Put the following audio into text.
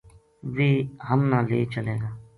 ویہ ہم نا لے چلے گا